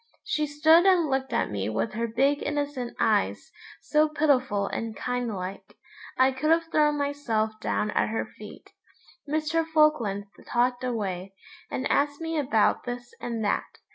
She stood and looked at me with her big innocent eyes, so pitiful and kind like. I could have thrown myself down at her feet. Mr. Falkland talked away, and asked me about this and that.